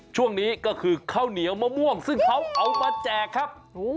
ช่วงนี้ก็คือข้าวเหนียวมะม่วงซึ่งเขาเอามาแจกครับ